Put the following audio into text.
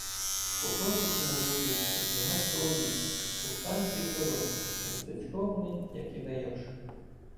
По просіці назустріч шкутильгав Соловій у штанях і сорочці, розцяцькований, як і Дайош.